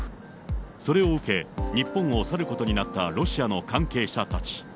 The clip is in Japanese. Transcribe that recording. それを受け、日本を去ることになったロシアの関係者たち。